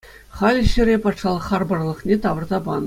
Халӗ ҫӗре патшалӑх харпӑрлӑхне тавӑрса панӑ.